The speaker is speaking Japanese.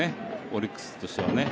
オリックスとしてはね。